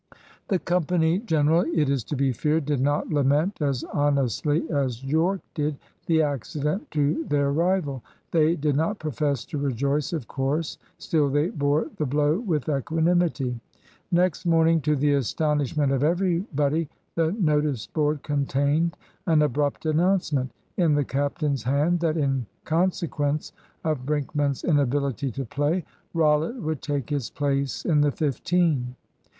The company generally, it is to be feared, did not lament as honestly as Yorke did, the accident to their rival. They did not profess to rejoice, of course; still they bore the blow with equanimity. Next morning, to the astonishment of everybody, the notice board contained an abrupt announcement in the captain's hand, that in consequence of Brinkman's inability to play, Rollitt would take his place in the fifteen.